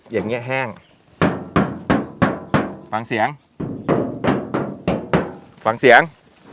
อย่างนี้แห้งฟังเสียงฟังเสียง